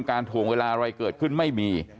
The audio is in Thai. ถ่วงเวลาอะไรเกิดขึ้นไม่มี